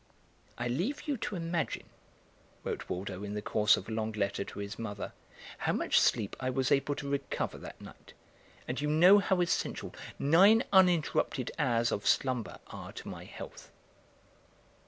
"I leave you to imagine," wrote Waldo in the course of a long letter to his mother, "how much sleep I was able to recover that night, and you know how essential nine uninterrupted hours of slumber are to my health."